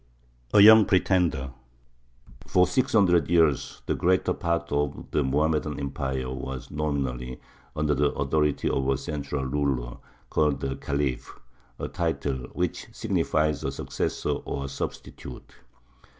A YOUNG PRETENDER. For six hundred years the greater part of the Mohammedan Empire was nominally under the authority of a central ruler called a Khalif, a title which signifies a "successor" or "substitute."